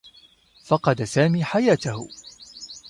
فقد سامي حياته.